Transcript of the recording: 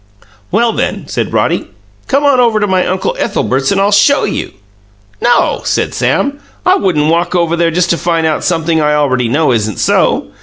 "Well, then," said Roddy, "come on over to my Uncle Ethelbert's, and I'll show you!" "No," said Sam. "I wouldn't walk over there just to find out sumpthing I already know isn't so.